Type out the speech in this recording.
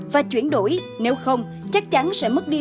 và chuyển đổi nếu không chắc chắn sẽ mất đi